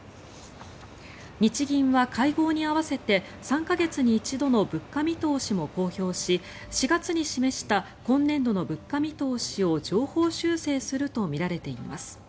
日銀は会合に合わせて３か月に一度の物価見通しも公表し４月に示した今年度の物価見通しを上方修正するとみられています。